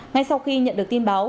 ngay sau khi nhận được tin báo